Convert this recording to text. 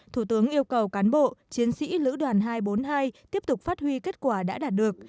thủ tướng yêu cầu cán bộ chiến sĩ lữ đoàn hai trăm bốn mươi hai tiếp tục phát huy kết quả đã đạt được